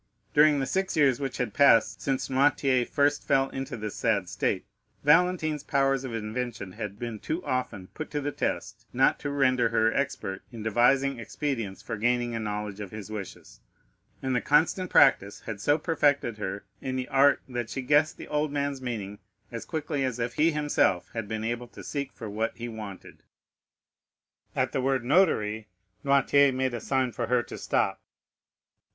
During the six years which had passed since Noirtier first fell into this sad state, Valentine's powers of invention had been too often put to the test not to render her expert in devising expedients for gaining a knowledge of his wishes, and the constant practice had so perfected her in the art that she guessed the old man's meaning as quickly as if he himself had been able to seek for what he wanted. At the word Notary, Noirtier made a sign to her to stop.